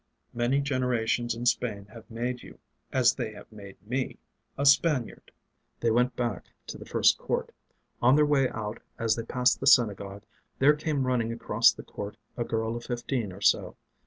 Many generations in Spain have made you as they have made me a Spaniard." They went back to the first court. On their way out, as they passed the synagogue, there came running across the court a girl of fifteen or so.